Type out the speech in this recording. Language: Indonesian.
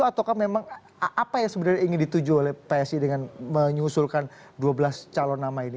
atau memang apa yang sebenarnya ingin dituju oleh psi dengan menyusulkan dua belas calon nama ini